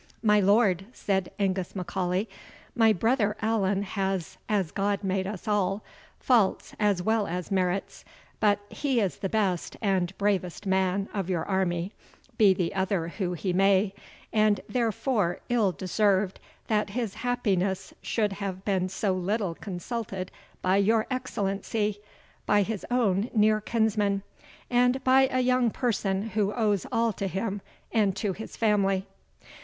"My lord," said Angus M'Aulay, "my brother Allan has, as God made us all, faults as well as merits; but he is the best and bravest man of your army, be the other who he may, and therefore ill deserved that his happiness should have been so little consulted by your Excellency by his own near kinsman and by a young person who owes all to him and to his family."